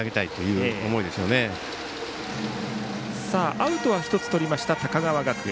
アウトは１つとりました高川学園。